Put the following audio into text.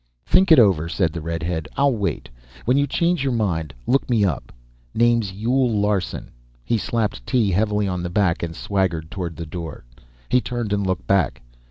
"Think it over," said the redhead. "I'll wait. When you change your mind look me up. Name's Yule Larson." He slapped Tee heavily on the back and swaggered toward the door. He turned and looked back.